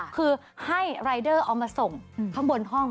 คือให้รายเดอร์เอามาส่งข้างบนห้อง